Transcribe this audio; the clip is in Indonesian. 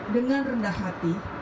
dengan rendah hati